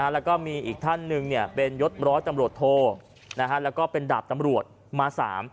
แล้วก็มีอีกท่านหนึ่งเป็นยศร้อยตำรวจโทแล้วก็เป็นดาบตำรวจมาสาม